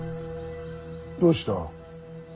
どうした。